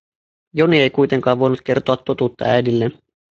Joni ei kuitenkaan voinut kertoa totuutta äidilleen.